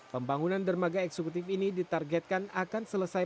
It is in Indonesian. pembangunan dermaga eksekutif ini ditargetkan akan selesai